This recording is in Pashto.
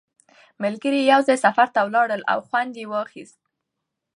ملګري یو ځای سفر ته ولاړل او خوند یې واخیست